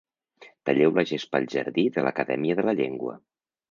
Talleu la gespa al jardí de l'Academia de la Lengua.